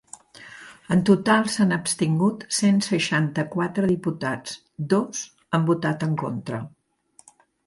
En total s’han abstingut cent seixanta-quatre diputats, dos han votat en contra.